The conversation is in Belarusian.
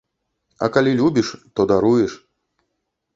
А калі любіш, то даруеш.